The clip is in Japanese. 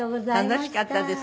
楽しかったです